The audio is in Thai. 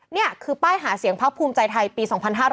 นี่คือป้ายหาเสียงพักภูมิใจไทยปี๒๕๕๙